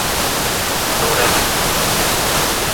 Dourado